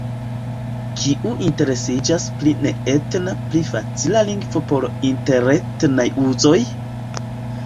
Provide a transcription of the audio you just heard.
Kiu interesiĝas pri neetna pli facila lingvo por interetnaj uzoj?